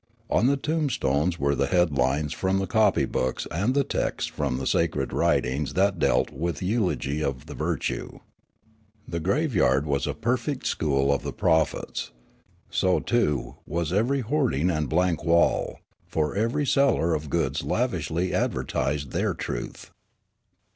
On the tombstones were the headlines from the copy books and the texts from the sacred writings that dealt with eulogy of the virtue. The graveyard 39 o 40 Riallaro was a perfect school of the prophets. So, too, was every hoarding and blank wall ; for every seller of goods lavishly advertised their " truth."